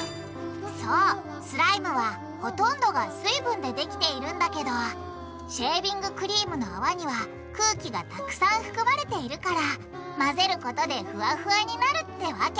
そうスライムはほとんどが水分でできているんだけどシェービングクリームの泡には空気がたくさん含まれているから混ぜることでフワフワになるってわけ！